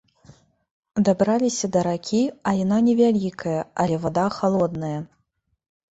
Дабраліся да ракі, а яна не вялікая, але вада халодная.